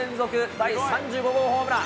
第３５号ホームラン。